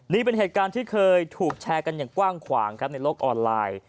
นี่เป็นเหตุการณ์ที่เคยถูกแชร์กันอย่างกว้างขวางครับในโลกออนไลน์